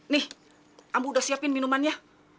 nih kamu udah siapin minumannya